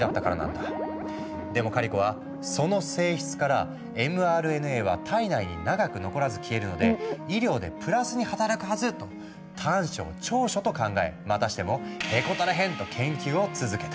でもカリコは「その性質からｍＲＮＡは体内に長く残らず消えるので医療でプラスに働くはず！」と短所を長所と考えまたしても「へこたれへん！」と研究を続けた。